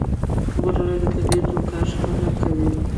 غرونه د طبیعت وقار ښکاره کوي.